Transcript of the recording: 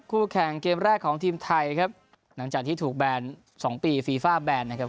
คู่แข่งเกมแรกของทีมไทยครับหลังจากที่ถูกแบนสองปีฟีฟ่าแบนนะครับ